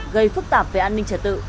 gây phức tạp về an ninh trở tự